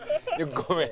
ごめん。